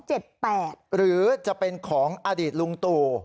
หรือจะเป็นของอดีตลุงตู่